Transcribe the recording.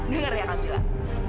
dengar ya kamilah